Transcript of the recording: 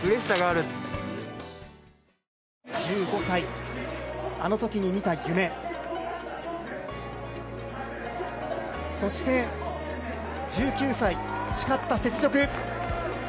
１５歳、あの時に見た夢そして１９歳、誓った雪辱。